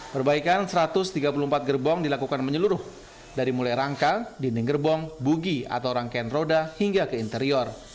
perbaikan satu ratus tiga puluh empat gerbong dilakukan menyeluruh dari mulai rangka dinding gerbong bugi atau rangkaian roda hingga ke interior